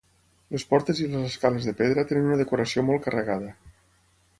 Les portes i les escales de pedra tenen una decoració molt carregada.